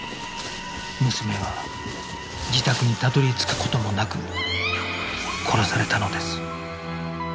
娘は自宅にたどり着く事もなく殺されたのです